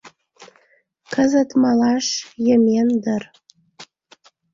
Кызыт малаш йымен дыр.